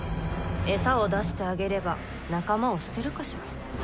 餌を出してあげれば仲間を捨てるかしら。